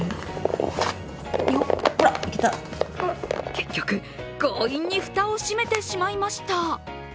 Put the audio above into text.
結局、強引に蓋を閉めてしまいました。